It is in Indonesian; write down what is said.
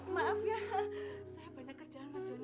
maaf ya saya banyak kerjaan pak joni